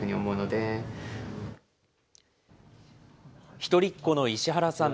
一人っ子の石原さん。